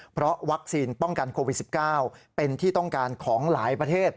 เพราะวัคซีนป้องกันโควิด๑๙เป็นที่ต้องการของหลายประเทศ